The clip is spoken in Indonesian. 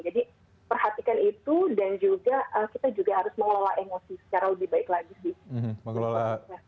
jadi perhatikan itu dan juga kita juga harus mengelola emosi secara lebih baik lagi sih